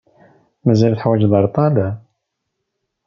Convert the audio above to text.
Mazal teḥwaǧeḍ areṭṭal?